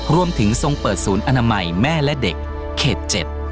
ทรงเปิดศูนย์อนามัยแม่และเด็กเขต๗